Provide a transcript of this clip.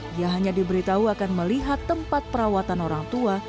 dia hanya diberitahu akan melihat tempat perawatan orang tua